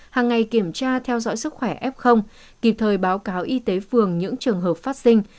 hàng ngày kiểm tra theo dõi sức khỏe f kịp thời báo cáo y tế phường những trường hợp phát sinh